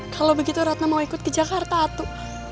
kalau begitu ratna mau ikut ke jakarta atu